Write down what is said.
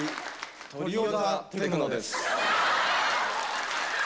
トリオ・ザ・テクノです。